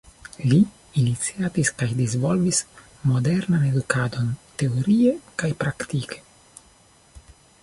Li iniciatis kaj disvolvis modernan edukadon teorie kaj praktike.